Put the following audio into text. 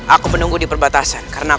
aku menunggu di perbatasan karena aku